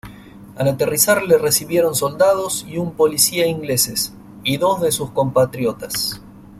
Al aterrizar le recibieron soldados y un policía ingleses y dos de sus compatriotas.